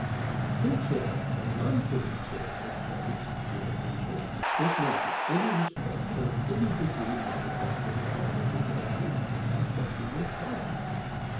. The kinship or non kinship of parents, near or remote, does not in any respect or in any degree modify the laws of heredity affecting their progeny.